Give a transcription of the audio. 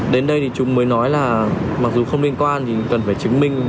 đến đây thì chúng mới nói là mặc dù không liên quan thì cần phải chứng minh